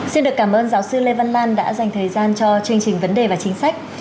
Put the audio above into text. xin được cảm ơn giáo sư lê văn lan đã dành thời gian cho chương trình vấn đề và chính sách